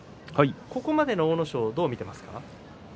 ここまでの阿武咲をどう見ていますか？